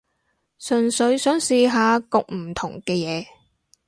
純粹想試下焗唔同嘅嘢